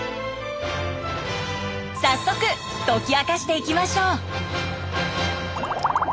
早速解き明かしていきましょう。